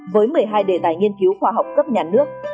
với một mươi hai đề tài nghiên cứu khoa học cấp nhà nước